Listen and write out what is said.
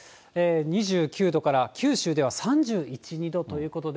２９度から、九州では３１、２度ということで、